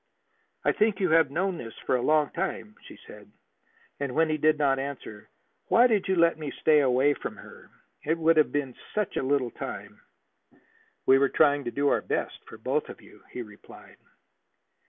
"I think you have known this for a long time," she said. And, when he did not answer: "Why did you let me stay away from her? It would have been such a little time!" "We were trying to do our best for both of you," he replied.